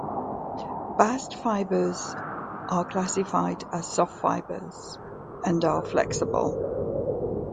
Bast fibres are classified as soft fibres, and are flexible.